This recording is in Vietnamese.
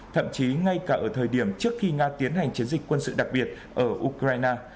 thậm chí ngay cả ở thời điểm trước khi nga tiến hành chiến dịch quân sự đặc biệt ở ukraine